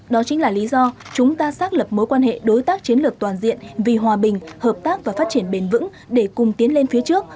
đó chính là lý do chúng ta xác lập mối quan hệ đối tác chiến lược toàn diện vì hòa bình hợp tác và phát triển bền vững để cùng tiến lên phía trước